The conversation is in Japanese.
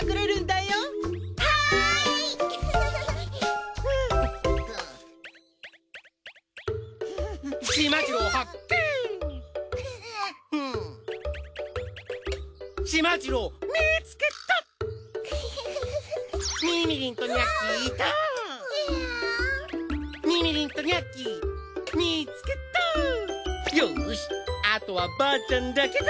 よしあとはばあちゃんだけだ。